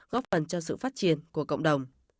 góp phần cho sự phát triển của cộng đồng